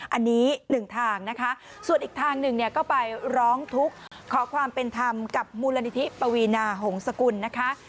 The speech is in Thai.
อันนี้หนึ่งทางนะคะส่วนอีกทางหนึ่งเนี่ยก็ไปร้องทุกข์ขอความเป็นธรรมกับมูลนิธิปวีนาหงษกุลนะคะ